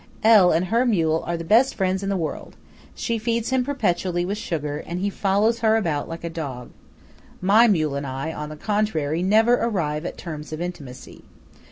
L. and her mule are the best friends in the world. She feeds him perpetually with sugar, and he follows her about like a dog. My mule and I, on the contrary, never arrive at terms of intimacy.